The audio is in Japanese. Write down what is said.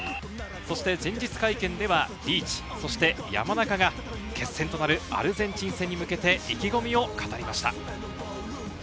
前日会見では、リーチ、そして山中が決戦となるアルゼンチン戦に向けて意気込みを語りました。